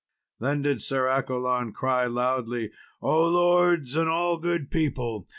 Then did Sir Accolon cry loudly, "O, lords, and all good people!